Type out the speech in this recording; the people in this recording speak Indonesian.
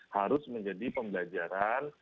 harus menjadi pembelajaran